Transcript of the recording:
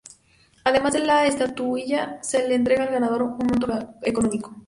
Además de la estatuilla se le entrega al ganador un monto económico.